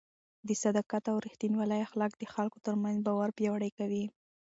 د صداقت او رښتینولۍ اخلاق د خلکو ترمنځ باور پیاوړی کوي.